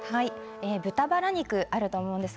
豚バラ肉があると思います。